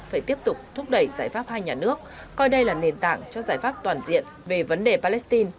phải tiếp tục thúc đẩy giải pháp hai nhà nước coi đây là nền tảng cho giải pháp toàn diện về vấn đề palestine